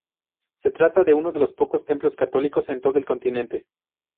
Se trata de uno de los pocos templos católicos en todo el continente.